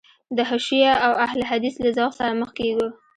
د حشویه او اهل حدیث له ذوق سره مخ کېږو.